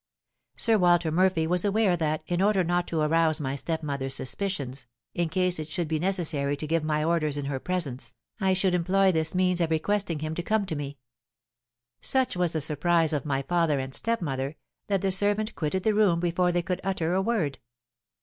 Sir Walter Murphy was aware that, in order not to arouse my stepmother's suspicions, in case it should be necessary to give my orders in her presence, I should employ this means of requesting him to come to me. Such was the surprise of my father and stepmother, that the servant quitted the room before they could utter a word.